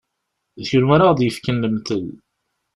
D kunwi ara ɣ-d-yefken lemtel.